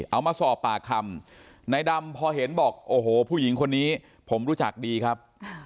เอามาสอบปากคำนายดำพอเห็นบอกโอ้โหผู้หญิงคนนี้ผมรู้จักดีครับ